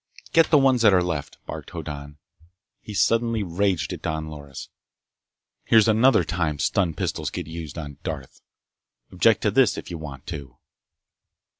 "Get the ones that are left!" barked Hoddan. He suddenly raged at Don Loris. "Here's another time stun pistols get used on Darth! Object to this if you want to!"